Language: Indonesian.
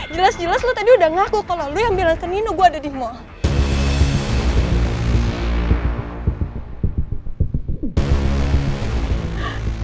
jelas jelas lo tadi udah ngaku kalau lo yang bilang aku ninu gue ada di mall